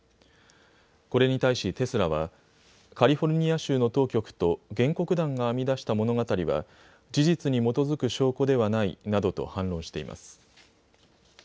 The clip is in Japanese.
これに対しテスラはカリフォルニア州の当局と原告団が編み出した物語は事実に基づく証拠ではないなどと反論しています。